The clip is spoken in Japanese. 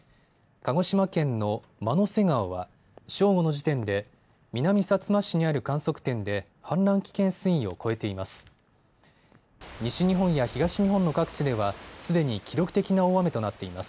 鹿児島県の万之瀬川は正午の時点で南さつま市にある観測点で氾濫危険水位を超えています。